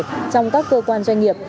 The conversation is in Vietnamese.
trong các cơ quan doanh nghiệp